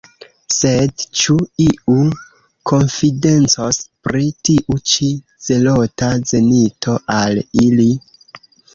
Sed ĉu iu konfidencos pri tiu ĉi zelota zenito al ili?